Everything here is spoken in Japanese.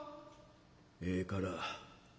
「ええから